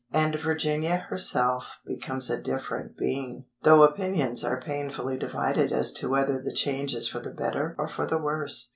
And Virginia herself becomes a different being, though opinions are painfully divided as to whether the change is for the better or for the worse.